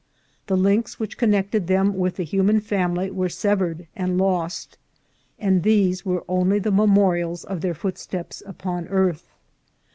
The links which connected them with the human family were severed and lost, and these were the only memorials of their footsteps upon earth.